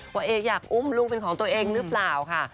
เอกอยากอุ้มลูกเป็นของตัวเองหรือเปล่าค่ะ